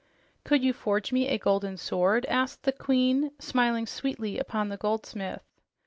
"Could you forge me a golden sword?" asked the Queen, smiling sweetly upon the goldsmith.